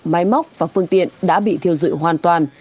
máy móc và phương tiện đã bị thiêu dụi hoàn toàn